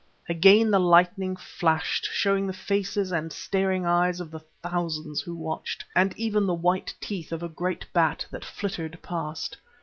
Again the lightning flashed, showing the faces and staring eyes of the thousands who watched, and even the white teeth of a great bat that flittered past.